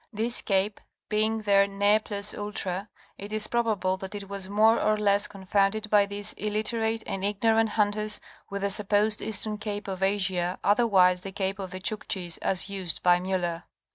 This cape being their ne plus ultra it is probable that it was more or less confounded by these illiterate and ignorant hunters with the supposed eastern Cape of Asia, otherwise the Cape of the Chukchisas used by Miller.